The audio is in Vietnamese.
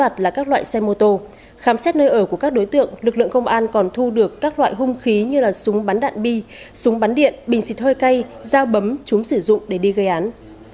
mặt khám xét nơi ở của các đối tượng lực lượng công an còn thu được các loại hung khí như là súng bắn đạn bi súng bắn điện bình xịt hơi cay dao bấm chúng sử dụng để đi gây án